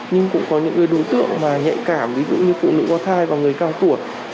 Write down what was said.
nhưng cũng có những đối tượng mà nhạy cảm ví dụ như phụ nữ có thai và người cao tuổi